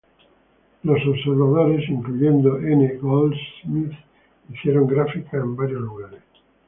Los observadores, incluyendo N. Goldsmith hicieron gráficas en varios lugares.